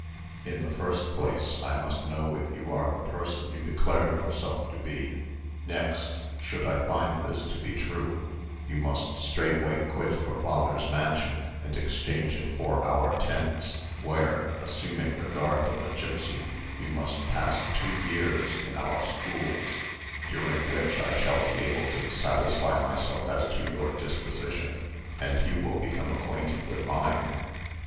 "In the first place I must know if you are the person you declare yourself to be. Next, should I find this to be true, you must straightway quit your father's mansion, and exchange it for our tents, where, assuming the garb of a gipsy, you must pass two years in our schools, during which I shall be able to satisfy myself as to your disposition, and you will become acquainted with mine.